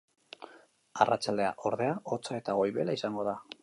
Arratsaldea, ordea, hotza eta goibela izango da.